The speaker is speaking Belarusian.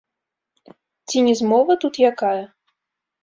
Ці не змова тут якая?